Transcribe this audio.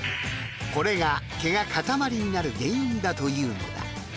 これが毛が塊になる原因だというのだ。